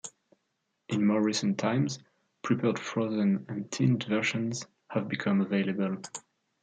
In more recent times, prepared frozen and tinned versions have become available.